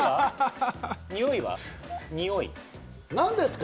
何ですか？